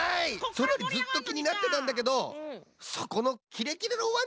それよりずっときになってたんだけどそこのキレキレのワンちゃんだぁれ？